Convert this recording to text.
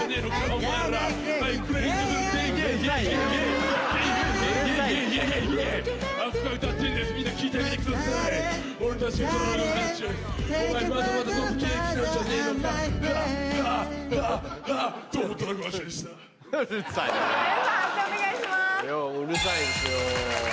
うるさいですよ。